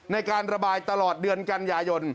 ในการระบายตลอดเดือนกันยายน